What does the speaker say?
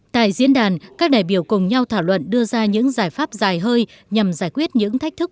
tại diễn đàn các đại biểu cùng nhau thảo luận đưa ra những giải pháp dài hơi nhằm giải quyết những thách thức